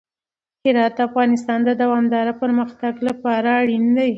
هرات د افغانستان د دوامداره پرمختګ لپاره اړین دی.